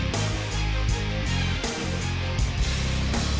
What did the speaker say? สวัสดี